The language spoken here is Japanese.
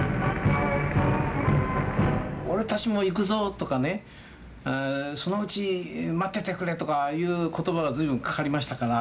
「俺たちも行くぞ」とかね「そのうち待っててくれ」とかいう言葉が随分かかりましたから。